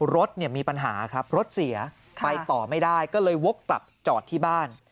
รถเนี่ยมีปัญหาครับรถเสียไปต่อไม่ได้ก็เลยวกกลับจอดที่บ้าน